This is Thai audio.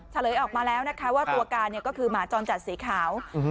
เฉลยออกมาแล้วนะคะว่าตัวการก็คือหมาจรจัดสีขาว